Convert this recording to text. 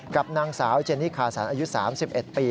กับนางสาวเจนนี่คาสันอายุ๓๑ปี